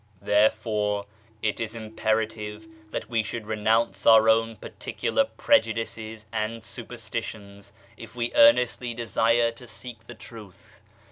Therefore it is imperative that we should renounce our own particular prejudices and superstitions if we earnestly desire to seek the Truth.